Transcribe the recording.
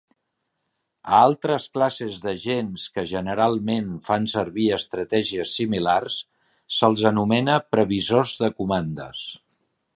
A altres classes d'agents que, generalment, fan servir estratègies similars, se'ls anomena "previsors de comandes".